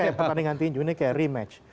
ini kayak pertandingan tinju ini kayak rematch